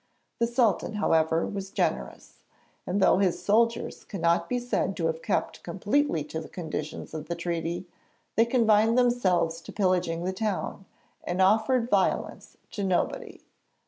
The Sultan, however, was generous, and though his soldiers cannot be said to have kept completely to the conditions of the treaty, they confined themselves to pillaging the town, and offered violence to nobody.